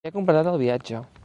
Ja he completat el viatge.